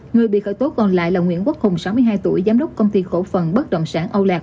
người bị khởi tố còn lại là nguyễn quốc hùng sáu mươi hai tuổi giám đốc công ty cổ phần bất động sản âu lạc